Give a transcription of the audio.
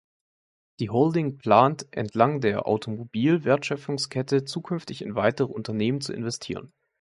Die Holding plant, entlang der automobilen Wertschöpfungskette zukünftig in weitere Unternehmen zu investieren.